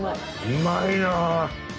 うまいな！